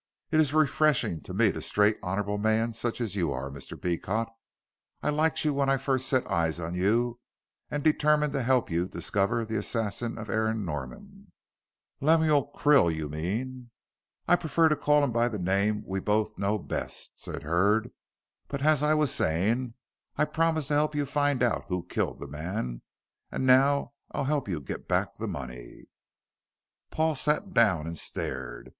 It's refreshing to meet a straight, honorable man such as you are, Mr. Beecot. I liked you when first I set eyes on you, and determined to help you to discover the assassin of Aaron Norman " "Lemuel Krill you mean." "I prefer to call him by the name we both know best," said Hurd, "but as I was saying, I promised to help you to find out who killed the man; now I'll help you to get back the money." Paul sat down and stared.